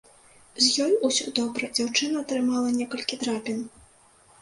З ёй усё добра, дзяўчына атрымала некалькі драпін.